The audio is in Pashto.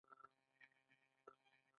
لومړی دا چې سازمان یو ځانګړی هدف لري.